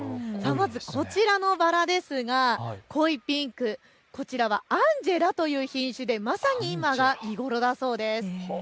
こちらのバラですが濃いピンク、こちらはアンジェラという品種で今が見頃だそうです。